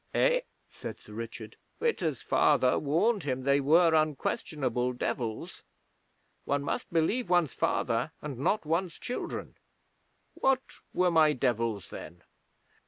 'Eh?' said Sir Richard. 'Witta's father warned him they were unquestionable Devils. One must believe one's father, and not one's children. What were my Devils, then?'